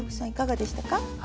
いかがでしたか？